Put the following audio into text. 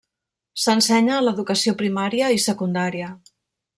S'ensenya en l'educació primària i secundària.